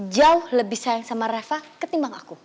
jauh lebih sayang sama reva ketimbang aku